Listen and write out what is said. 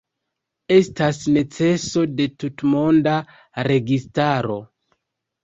Estas neceso de tutmonda registaro.